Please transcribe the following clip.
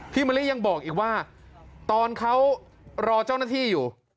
มะลิยังบอกอีกว่าตอนเขารอเจ้าหน้าที่อยู่